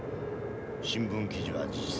新聞記事は事実